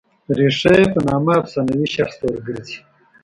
ریښه یې په نامه افسانوي شخص ته ور ګرځي.